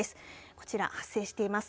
こちら発生しています。